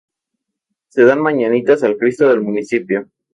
Se dan mañanitas al Cristo del municipio.